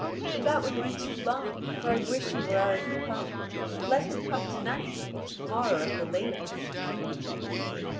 "That would be too long; for I wish he were already come. Let him come to night, or to morrow, at the latest."